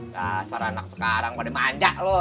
gak seranak sekarang pada manja loh